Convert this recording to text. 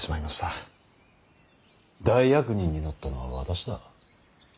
大悪人になったのは私だ。